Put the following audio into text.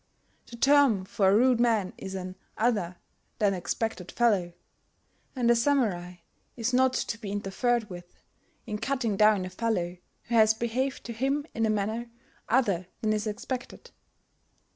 The term for a rude man is an 'other than expected fellow'; and a Samurai is not to be interfered with in cutting down a fellow who has behaved to him in a manner other than is expected.